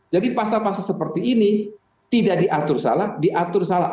jadi pasal pasal seperti ini tidak diatur salah diatur salah